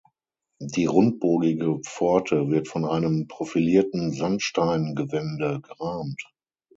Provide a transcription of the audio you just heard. Die rundbogige Pforte wird von einem profilierten Sandsteingewände gerahmt.